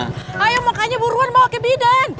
ayo makanya buruan bawa ke bidan